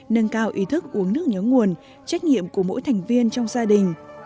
nâng cao ý thức uống nước nhớ nguồn trách nhiệm của mỗi thành viên trong gia đình